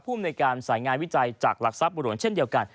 ภูมิในการสายงานวิจัยจากหลักทรัพย์บุหลวงเช่นเดียวกัน